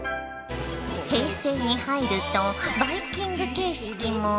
平成に入るとバイキング形式も。